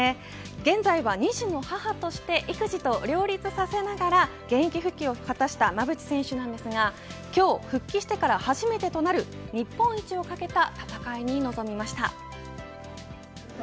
現在は２児の母として育児と両立させながら現役復帰を果たした馬淵選手なんですが今日、復帰してから初めてとなる日本一をかけた戦いに臨みました。